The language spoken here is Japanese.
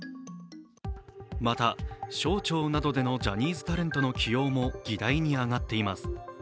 また、省庁などでのジャニーズタレントの起用も議題に上がっています。